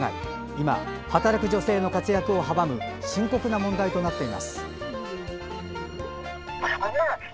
今、働く女性の活躍を阻む深刻な問題となっています。